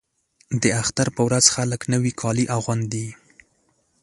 د اختر په ورځ خلک نوي کالي اغوندي.